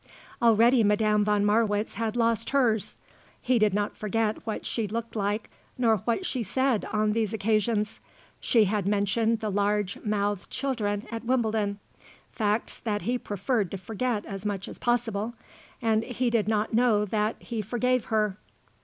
Already Madame von Marwitz had lost hers. He did not forget what she looked like nor what she said on these occasions. She had mentioned the large mouthed children at Wimbledon facts that he preferred to forget as much as possible and he did not know that he forgave her.